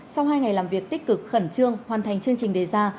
sau hai ngày làm việc tích cực khẩn trương hoàn thành chương trình đề ra